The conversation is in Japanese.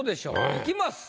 いきます。